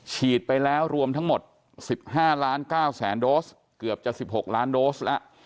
ฉีดไปแล้วรวมทั้งหมด๑๕ล้าน๙แสนโดสเกือบจะ๑๖ล้านโดสแล้ว